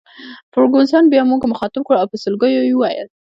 فرګوسن بیا موږ مخاطب کړو او په سلګیو یې وویل.